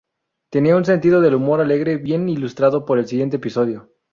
Tenía un sentido del humor alegre, bien ilustrado por el siguiente episodio.